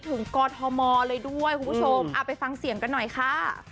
บุญครั้งนี้ถึงกฎฮมอร์เลยด้วยคุณผู้ชมอ่ะไปฟังเสียงกันหน่อยค่ะ